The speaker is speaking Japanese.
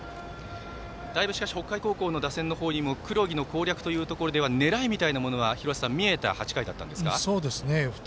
しかし北海高校の打線の方にも黒木の攻略というところでは狙え！というところが見えた８回だったんですか。